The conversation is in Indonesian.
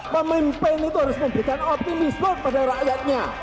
memimpin itu harus memberikan optimisme kepada rakyatnya